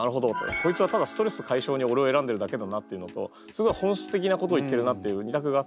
こいつはただストレス解消に俺を選んでるだけだなっていうのとすごい本質的なことを言ってるなっていう２択があって。